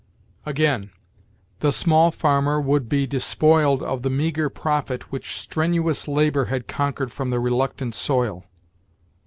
Again: "The small farmer would ... be despoiled ... of the meager profit which strenuous labor had conquered from the reluctant soil."